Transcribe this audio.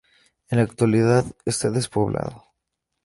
En la actualidad está despoblado.